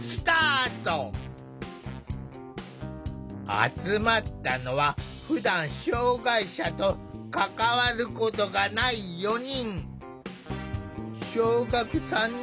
集まったのはふだん障害者と関わることがない４人。